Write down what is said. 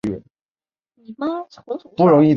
申恬起初任骠骑将军刘道邻的长兼行参军。